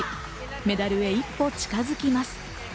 メダルへ一歩近づきます。